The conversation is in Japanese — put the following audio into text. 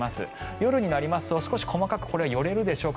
夜になりますと少し細かくこれは寄れるでしょうか